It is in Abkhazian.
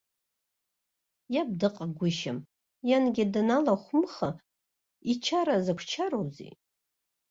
Иаб дыҟагәышьам, иангьы даналахәымха, ичара закә чароузеи?!